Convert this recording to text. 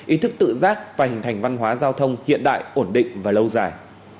ý thức tự giác và hình thành văn hóa giao thông hiện đại ổn định và lâu dài